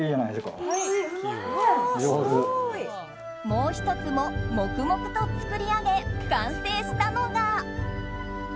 もう１つも黙々と作り上げ完成したのが。